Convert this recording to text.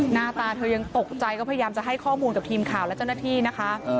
หน้าตาเธอยังตกใจก็พยายามจะให้ข้อมูลกับทีมข่าวและเจ้าหน้าที่นะคะ